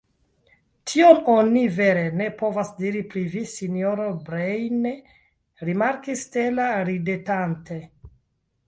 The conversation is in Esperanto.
Tion oni vere ne povas diri pri vi, sinjoro Breine, rimarkis Stella ridetante.